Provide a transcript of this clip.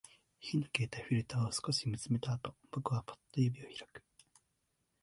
火の消えたフィルターを少し見つめたあと、僕はパッと指を開く